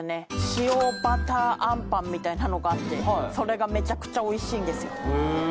塩バターあんパンみたいなのがあってそれがメチャクチャおいしいんですよへえ